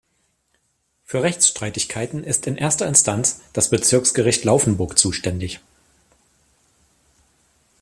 Für Rechtsstreitigkeiten ist in erster Instanz das Bezirksgericht Laufenburg zuständig.